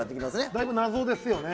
だいぶ謎ですよね。